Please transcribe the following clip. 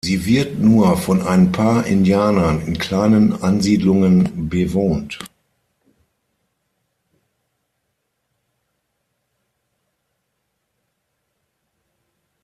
Sie wird nur von ein paar Indianern in kleinen Ansiedlungen bewohnt.